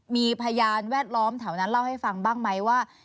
มีพยานแวดล้อมแถวนั้นเล่าให้ฟังบ้างไหมว่า